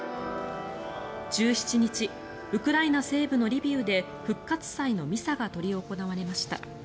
１７日ウクライナ西部のリビウで復活祭のミサが執り行われました。